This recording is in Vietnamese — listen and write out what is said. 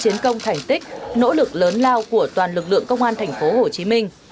chiến công thành tích nỗ lực lớn lao của toàn lực lượng công an tp hcm